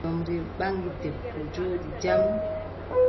Doombru ɓaŋgi debbo, jooɗi jam.